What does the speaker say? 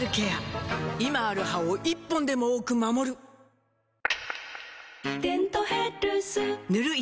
今ある歯を１本でも多く守る「デントヘルス」塗る医薬品も